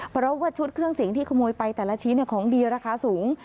เพราะว่าชุดเครื่องเสียงที่ขโมยไปแต่ละชิ้นของดีราคาสูง